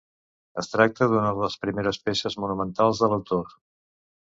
Es tracta d'una de les primeres peces monumentals de l'autor.